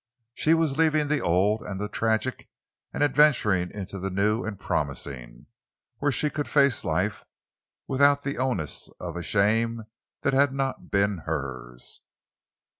She was leaving the old and the tragic and adventuring into the new and promising, where she could face life without the onus of a shame that had not been hers.